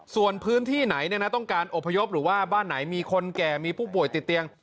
ส่วนพื้นที่ไหนต้องการอบพยพหรือว่าบ้านไหนมีคนแก่มีผู้ป่วยติดเตียง